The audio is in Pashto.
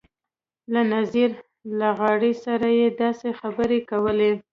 له نذیر لغاري سره یې داسې خبرې کولې.